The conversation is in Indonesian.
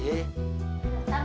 jalan dark dost